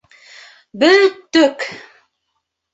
— Бөттөк!